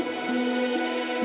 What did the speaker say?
aku mau mencoba